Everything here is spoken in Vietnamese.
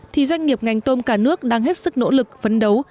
thì doanh nghiệp ngành tôm cả nước đang hết sức nỗ lực phấn đấu